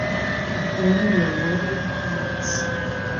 This title can only be awarded once.